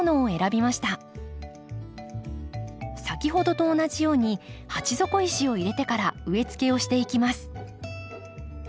先ほどと同じように鉢底石を入れてから植えつけをしていきます。